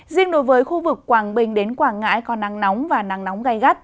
riêng đối với khu vực quảng bình đến quảng ngãi có nắng nóng và nắng nóng gai gắt